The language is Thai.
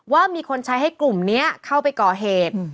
ว่ามีคนใช้ให้กลุ่มนี้เข้าไปก่อเหตุ